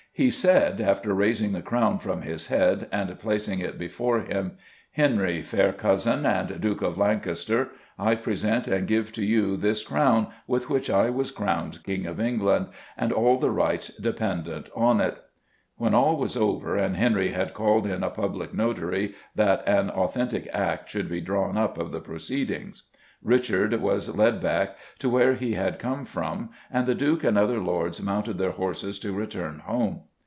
He said, after raising the crown from his head and placing it before him, "Henry, fair cousin, and Duke of Lancaster, I present and give to you this crown with which I was crowned King of England, and all the rights dependent on it." When all was over and Henry "had called in a public notary that an authentic act should be drawn up of the proceedings," Richard was led back "to where he had come from, and the Duke and other lords mounted their horses to return home."